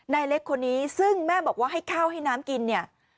นายเล็กคนนี้ซึ่งแม่บอกว่าให้ข้าวให้น้ำกินเนี่ย